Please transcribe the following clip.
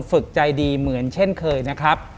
ฝึกใจดีเหมือนเช่นเคยนะครับ